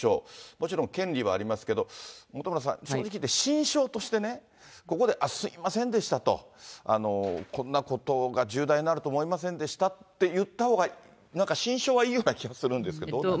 もちろん権利はありますけど、本村さん、正直言って、心証としてね、ここですみませんでしたと、こんな事が重大になるとは思いませんでしたと言ったほうがなんか心証はいいような気がするんですけど、どうでしょう。